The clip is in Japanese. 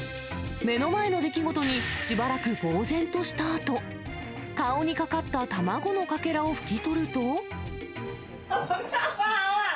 目の前の出来事にしばらくぼうぜんとしたあと、顔にかかった卵のかけらを拭き取ると。